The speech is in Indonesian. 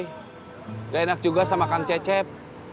enggak enak juga sama kang cecep